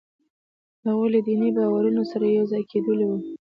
د هغوی له دیني باورونو سره یو ځای کېدلو وو.